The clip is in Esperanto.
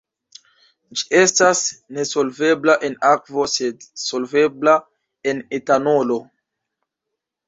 Ĝi estas nesolvebla en akvo sed solvebla en etanolo.